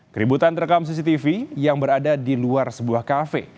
keributan terekam cctv yang berada di luar sebuah kafe